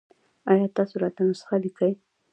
ایا تاسو راته نسخه لیکئ؟